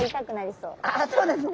そうですね。